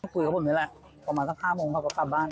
คุยกับผมนี่แหละประมาณสัก๕โมงเขาก็กลับบ้าน